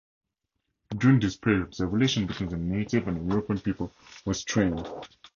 During this period, the relations between the native and European people were strained.